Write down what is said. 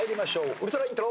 ウルトライントロ。